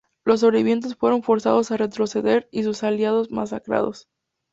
Los sobrevivientes fueron forzados a retroceder y sus aliados masacrados.